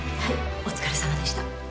お疲れさまでした。